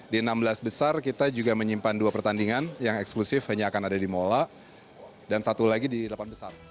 di enam belas besar kita juga menyimpan dua pertandingan yang eksklusif hanya akan ada di mola dan satu lagi di delapan besar